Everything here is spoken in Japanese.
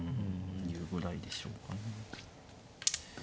竜ぐらいでしょうかね。